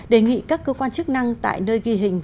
đề nghị các cơ quan chức năng tại nơi ghi hình